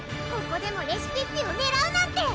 ここでもレシピッピをねらうなんて！